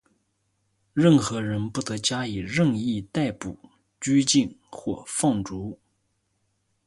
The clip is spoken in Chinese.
任何人不得加以任意逮捕、拘禁或放逐。